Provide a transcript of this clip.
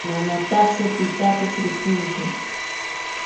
Manataqsi pitapas rikunchu.